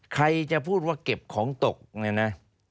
ใครจะพูดว่าเก็บของตกเนี่ยนะ